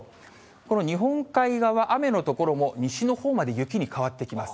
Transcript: この日本海側、雨の所も西のほうまで雪に変わってきます。